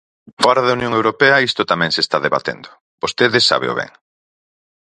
Fóra da Unión Europea isto tamén se está debatendo, vostede sábeo ben.